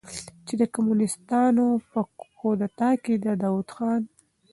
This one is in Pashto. چې د کمونستانو په کودتا کې د داؤد خان